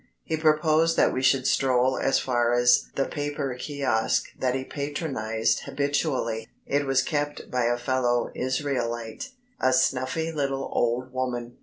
He proposed that we should stroll as far as the paper kiosque that he patronised habitually it was kept by a fellow Israelite a snuffy little old woman.